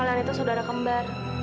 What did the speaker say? kalian itu saudara kembar